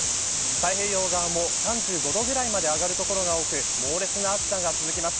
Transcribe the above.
太平洋側も３５度ぐらいまで上がる所が多く猛烈な暑さが続きます。